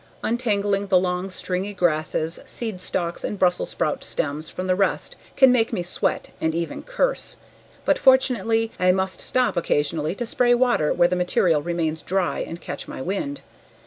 Untangling the long stringy grasses, seed stalks, and Brussels sprout stems from the rest can make me sweat and even curse, but fortunately I must stop occasionally to spray water where the material remains dry and catch my wind.